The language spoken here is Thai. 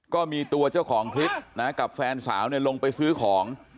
กับแฟนสาวลงไปซื้อของ